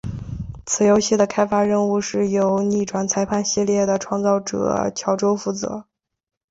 此游戏的开发任务是由逆转裁判系列的创造者巧舟负责。